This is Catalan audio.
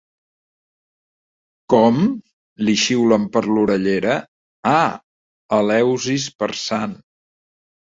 Com? —li xiulen per l'orellera– Ah, Eleusis per Sant